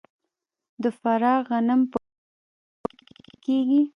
د فراه غنم په ګرمو سیمو کې کیږي.